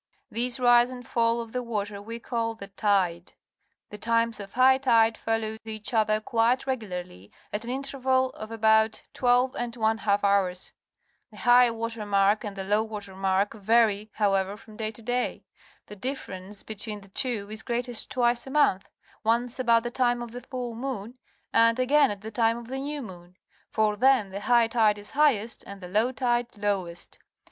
This rise and fall of the water we call the^tide. The times of high tide follow each other cjuite regularly at an interval of about twelve and one half hours. The high water mark and the low water mark vary, however, from day to day. The differ ence between the two is greatest twice a month — once, about the time of the full moon, and again at the time of the new moon, for then the high tide is highest and the low tide lowest.